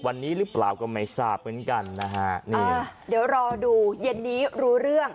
วันนี้หรือเปล่าก็ไม่ทราบเหมือนกันนะฮะนี่เดี๋ยวรอดูเย็นนี้รู้เรื่อง